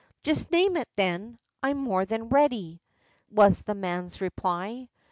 "Just name it, then; I'm more than ready," was the man's reply.